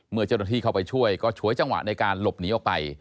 เมื่อเจ้าหน้าที่เข้าไปช่วยก็ฉวยจังหวะในการหลบหนีออกไป